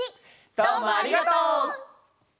どうもありがとう！